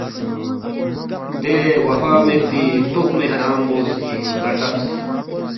دے وفا میدپی تخمِ حرام مو سی ن٘ا ردبس